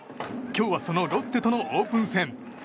今日はそのロッテとのオープン戦。